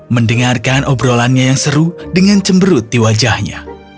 mendengarkan obrolannya yang seru dengan cemberut di wajahnya